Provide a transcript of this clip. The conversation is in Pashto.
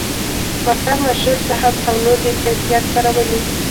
مکتب، مشرب، ذهب او نور یې په احتیاط کارولي.